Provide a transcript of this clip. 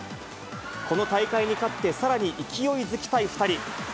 この大会に勝って、さらに勢いづきたい２人。